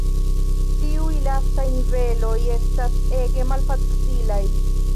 Tiuj lastaj niveloj estas ege malfacilaj.